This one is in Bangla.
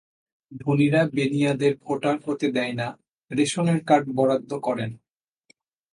ধনীরা বেদিয়াদের ভোটার হতে দেয় না, রেশনের কার্ড বরাদ্দ করে না।